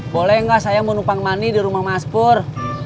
boleh gak saya mau nupang mani di rumah mas pur